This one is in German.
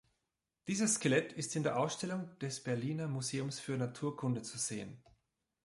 Dieses Skelett ist in der Ausstellung des Berliner Museums für Naturkunde zu sehen.